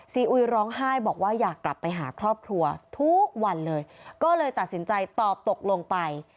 อุยร้องไห้บอกว่าอยากกลับไปหาครอบครัวทุกวันเลยก็เลยตัดสินใจตอบตกลงไป